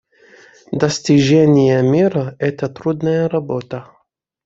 Достижение мира — это трудная работа.